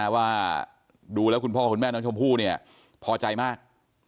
ก็บอกตอนนี้ว่าคุณพ่อคุณแม่น้องชมพูพอใจมาก